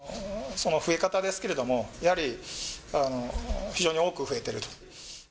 その増え方ですけれども、やはり非常に多く増えてると。